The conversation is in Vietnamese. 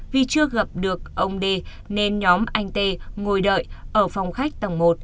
vì chưa gặp được ông đê nên nhóm anh tê ngồi đợi ở phòng khách tầng một